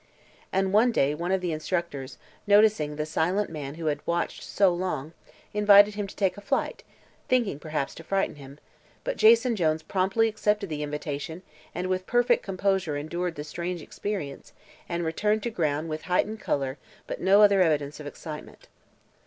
And one day one of the instructors, noticing the silent man who had watched so long, invited him to take a flight, thinking perhaps to frighten him; but Jason Jones promptly accepted the invitation and with perfect composure endured the strange experience and returned to ground with heightened color but no other evidence of excitement.